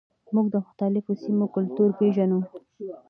موږ د مختلفو سیمو کلتور پیژنو.